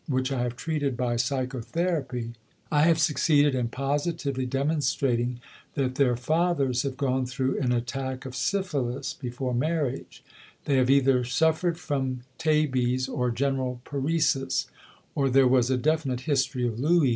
which I have treated by psychotherapy, I have succeeded in positively demonstrating that their fathers have gone through an attack of syphilis before marriage; they have either suffered from tabes or general paresis, or there was a definite history of lues.